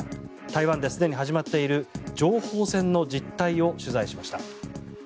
台湾ですでに始まっている情報戦の実態を取材しました。